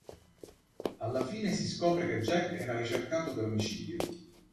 Alla fine si scopre che Jack era ricercato per omicidio.